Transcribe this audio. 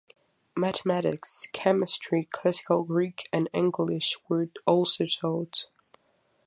Mathematics, Chemistry, Classical Greek and English were also taught.